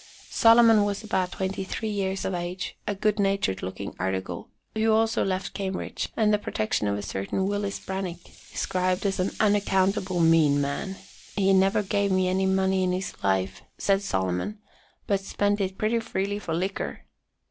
Solomon was about twenty three years of age, a good natured looking "article," who also left Cambridge, and the protection of a certain Willis Branick, described as an "unaccountable mean man." "He never gave me any money in his life," said Sol., "but spent it pretty freely for liquor."